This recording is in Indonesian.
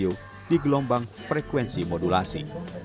dan menyiaran radio di gelombang frekuensi modulasi